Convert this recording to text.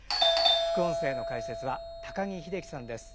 副音声の解説は高木秀樹さんです。